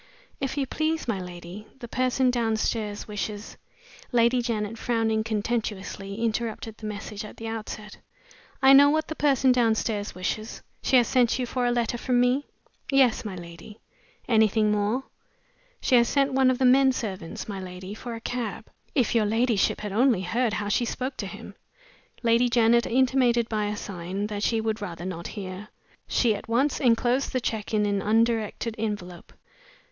"If you please, my lady, the person downstairs wishes " Lady Janet, frowning contemptuously, interrupted the message at the outset. "I know what the person downstairs wishes. She has sent you for a letter from me?" "Yes, my lady." "Anything more?" "She has sent one of the men servants, my lady, for a cab. If your ladyship had only heard how she spoke to him!" Lady Janet intimated by a sign that she would rather not hear. She at once inclosed the check in an undirected envelope.